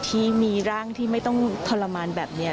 ที่มีร่างที่ไม่ต้องทรมานแบบนี้